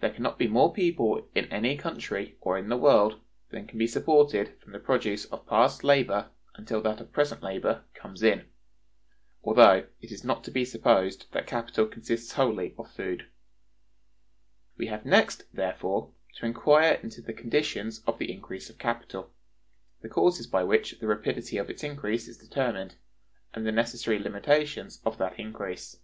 There can not be more people in any country, or in the world, than can be supported from the produce of past labor until that of present labor comes in [although it is not to be supposed that capital consists wholly of food]. We have next, therefore, to inquire into the conditions of the increase of capital: the causes by which the rapidity of its increase is determined, and the necessary limitations of that increase.